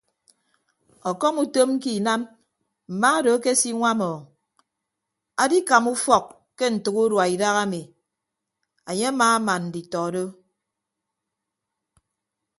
Ọkọm utom ke inam mma odo akesinwam o adikama ufọk ke ntәk urua idaha ami anye amaaman nditọ do.